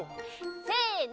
せの！